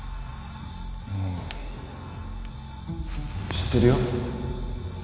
知ってるよ